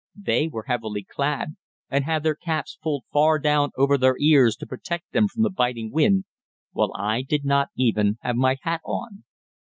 They were heavily clad and had their caps pulled far down over their ears to protect them from the biting wind, while I did not even have my hat on.